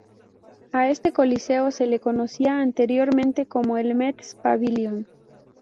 A este coliseo se le conocía anteriormente como el Mets Pavilion.